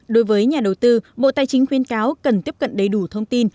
đối với nhà đầu tư bộ tài chính khuyến cáo cần tiếp cận đầy đủ thông tin